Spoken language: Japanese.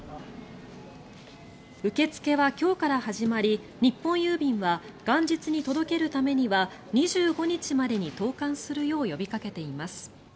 受け付けは今日から始まり日本郵便は元日に届けるためには２５日までに投函するよう呼びかけています。